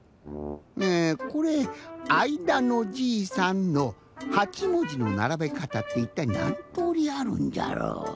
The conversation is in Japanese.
えこれ「あいだのじいさん」の８もじのならべかたっていったいなんとおりあるんじゃろう？